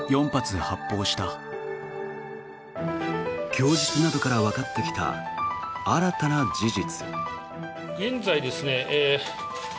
供述などからわかってきた新たな事実。